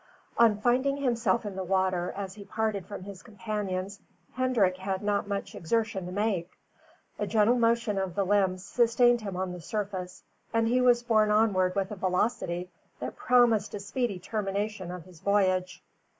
On finding himself in the water as he parted from his companions, Hendrik had not much exertion to make. A gentle motion of the limbs sustained him on the surface, and he was borne onward with a velocity that promised a speedy termination of his voyage.